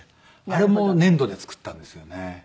あれも粘土で作ったんですよね。